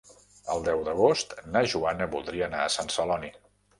El deu d'agost na Joana voldria anar a Sant Celoni.